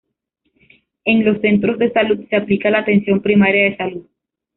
En los centros de salud se aplica la Atención Primaria de Salud.